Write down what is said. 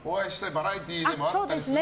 バラエティーでも会ったりするんで。